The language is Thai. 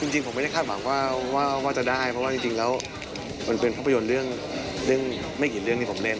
จริงผมไม่ได้คาดหวังว่าจะได้เพราะว่าจริงแล้วมันเป็นภาพยนตร์เรื่องไม่กี่เรื่องที่ผมเล่น